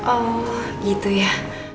oh gitu ya